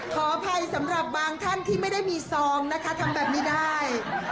ขออภัยสำหรับบางท่านที่ไม่ได้มีซองนะคะทำแบบนี้ได้